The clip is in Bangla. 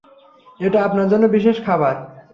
এটা আপনার জন্য বিশেষ খাবার।